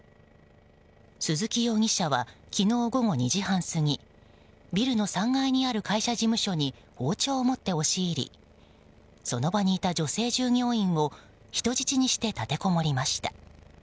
鈴木容疑者は昨日午後２時半過ぎビルの３階にある会社事務所に包丁を持って押し入りその場にいた女性従業員を人質にして立てこもりました。